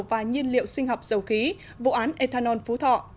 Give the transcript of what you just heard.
và nhiên liệu sinh học dầu khí vụ án ethanol phú thọ